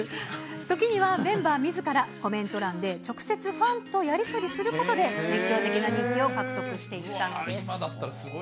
時にはメンバーみずからコメント欄で直接ファンとやり取りすることで熱狂的な人気を獲得していったんです。